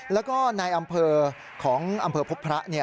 แล้วก็ในอำเภอของอำเภอพบพระ